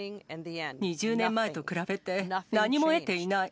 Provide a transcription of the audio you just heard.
２０年前と比べて何も得ていない。